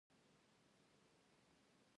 موږ غواړو یوې مهمې پوښتنې ته ځواب ووایو.